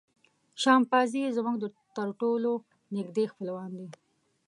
شامپانزي زموږ تر ټولو نږدې خپلوان دي.